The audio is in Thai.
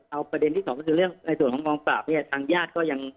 เอาประเด็นที่สองก็คือเรื่องในส่วนของกองปราบเนี่ยทางญาติก็ยัง